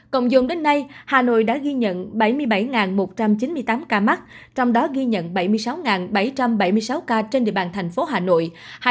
cộng dồn đến nay hà nội đã ghi nhận bảy mươi bảy một trăm chín mươi tám ca mắc trong đó ghi nhận bảy mươi sáu bảy trăm bảy mươi sáu ca trên địa bàn thành phố hà nội